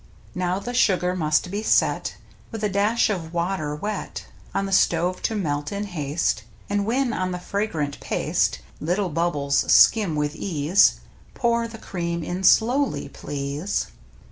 Now the sugar must be set. With a dash of water wet, On the stove to melt in haste. And when on the fragrant paste Little bubbles skim with ease. Pour the cream in slowly, please.